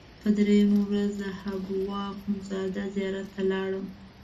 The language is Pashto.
په درېیمه ورځ د حبوا اخندزاده زیارت ته لاړم.